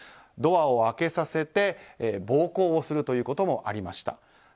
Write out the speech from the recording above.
ドアを開けさせて暴行をするということもありました。